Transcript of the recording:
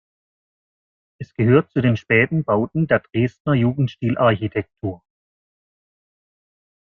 Es gehört zu den späten Bauten der Dresdner Jugendstilarchitektur.